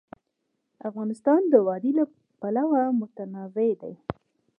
افغانستان د وادي له پلوه متنوع دی.